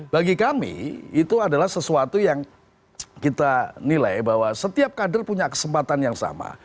bagi kami itu adalah sesuatu yang kita nilai bahwa setiap kader punya kesempatan yang sama